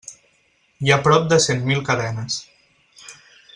Hi ha prop de cent mil cadenes.